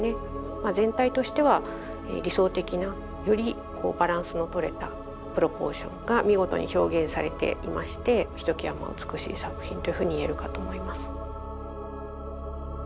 まあ全体としては理想的なよりバランスの取れたプロポーションが見事に表現されていましてひときわ美しい作品というふうに言えるかと思います。